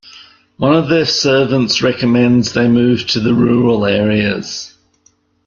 One of their servants recommends they move to the rural areas.